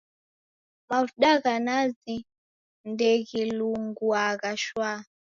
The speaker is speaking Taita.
Mavuda gha nazi ndeghilunguagha shwaa.